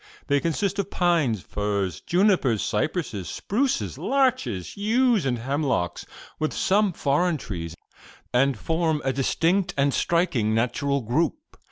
They consist of pines, firs, junipers, cypresses, spruces, larches, yews and hemlocks, with some foreign trees, and form a distinct and striking natural group.